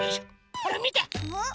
ほらみて！